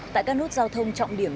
tại các nốt giao thông trọng điểm